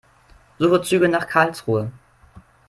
Suche Züge nach Karlsruhe.